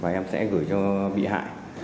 và em sẽ gửi cho bị hại